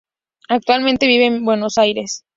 Actualmente vive en Buenos Aires